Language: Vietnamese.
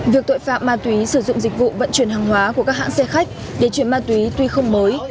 việc tội phạm ma túy sử dụng dịch vụ vận chuyển hàng hóa của các hãng xe khách để chuyển ma túy tuy không mới